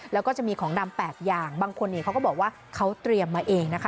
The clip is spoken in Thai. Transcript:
แล้วก็จะมีของดำ๘อย่างบางคนเขาก็บอกว่าเขาเตรียมมาเองนะคะ